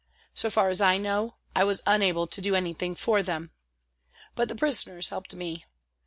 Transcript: So far as I know, I was unable to do anything for them. But the prisoners helped me.